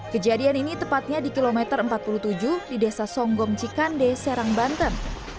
kejadian ini tepatnya di kilometer empat puluh tujuh di desa songgong cikande serang banten